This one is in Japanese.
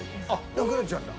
なくなっちゃうんだ。